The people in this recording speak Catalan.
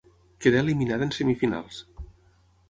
Quedà eliminada en semifinals.